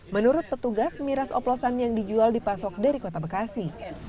menurut petugas miras oplosan yang dijual dipasok dari kota bekasi